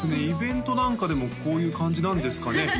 イベントなんかでもこういう感じなんですかね